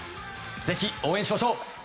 ぜひ応援しましょう。